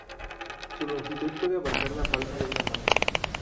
Su longitud puede abarcar la palma de una mano.